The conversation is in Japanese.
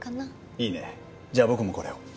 いいねじゃあ僕もこれを。